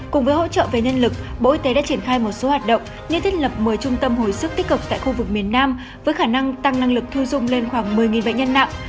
cùng với hỗ trợ về nhân lực bộ y tế đã triển khai một số hoạt động như thiết lập một mươi trung tâm hồi sức tích cực tại khu vực miền nam với khả năng tăng năng lực thu dung lên khoảng một mươi bệnh nhân nặng